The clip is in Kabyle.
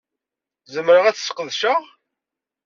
Zemreɣ ad t-sqedceɣ?